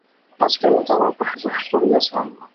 আজকের মতো আমার পক্ষে যথেষ্ট হইয়াছে, আর নয়।